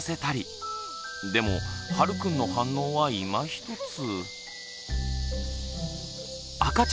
でもはるくんの反応はいまひとつ。